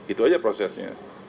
itu aja prosesnya